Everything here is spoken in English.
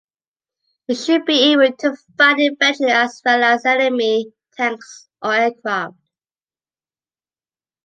It should be able to fight infantry as well as enemy tanks or aircraft.